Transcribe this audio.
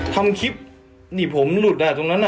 ทำคลิปหนีผมหลุดอะตรงนั้นน่ะ